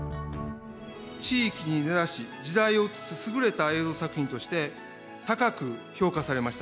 地域に根ざし時代を映す優れた映像作品として高く評価されました。